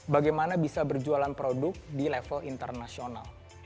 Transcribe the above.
bagaimana bisa berjualan produk di level internasional